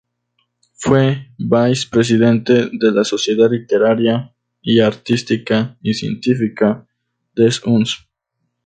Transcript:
Fue vice-presidente de la sociedad literaria, artística y científica 'des Uns'.